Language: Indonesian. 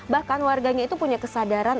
bahkan warganya itu punya kesadaran